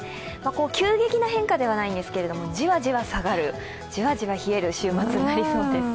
急激な変化ではないんですが、じわじわ下がる、じわじわ冷える週末になりそうです。